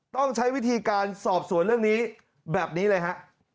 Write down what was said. ต้องใช้วิธีการสอบสวนเรื่องนี้แบบนี้เลยฮะ